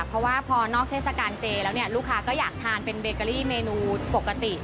เพราะว่าพอนอกเทศกาลเจแล้วเนี่ยลูกค้าก็อยากทานเป็นเบเกอรี่เมนูปกติ